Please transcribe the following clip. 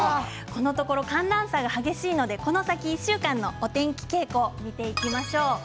このところ、寒暖差が激しいのでこの先１週間のお天気傾向を見ていきましょう。